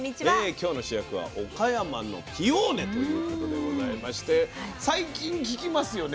今日の主役は岡山のピオーネということでございまして最近聞きますよね